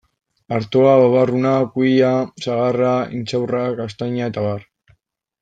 Artoa, babarruna, kuia, sagarra, intxaurra, gaztaina eta abar.